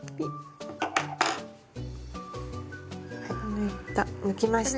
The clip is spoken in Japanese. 抜いた抜きました。